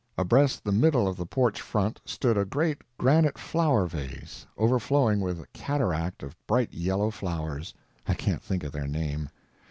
Abreast the middle of the porch front stood a great granite flower vase overflowing with a cataract of bright yellow flowers—I can't think of their name.